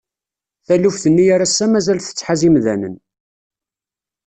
Taluft-nni ar ass-a mazal tettḥaz imdanen.